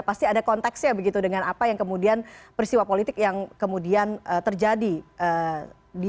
pasti ada konteksnya begitu dengan apa yang kemudian persiwa politik yang kemudian terjadi saat dia menyampaikan itu begitu ya mas adi